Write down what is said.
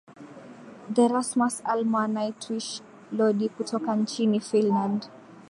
The Rasmus Alma Nightwish Lordi kutoka nchini Finland